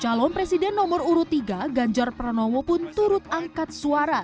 calon presiden nomor urut tiga ganjar pranowo pun turut angkat suara